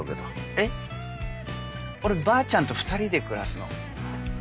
えっ俺ばあちゃんと２人で暮らすの？